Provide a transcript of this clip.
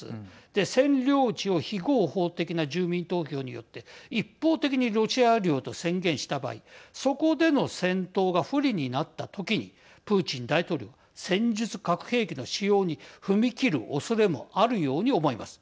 で、占領地を非合法的な住民投票によって一方的にロシア領と宣言した場合そこでの戦闘が不利になった時にプーチン大統領戦術核兵器の使用に踏み切るおそれもあるように思います。